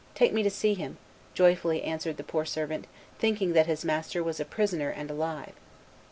"Take me to see him," joyfully answered the poor servant, thinking that his master was a prisoner and alive.